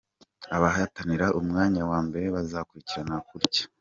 Abahatanira umwanya wa mbere, bazakurikirana gutya:.